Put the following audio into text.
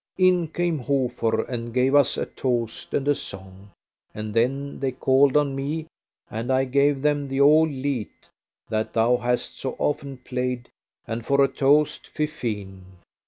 In came Hofer and gave us a toast and a song, and then they called on me, and I gave them the old Lied, that thou hast so often played, and for a toast, 'Fifine.'